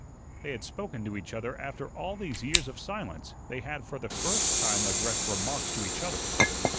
They had spoken to each other after all these years of silence; they had for the first time addressed remarks to each other.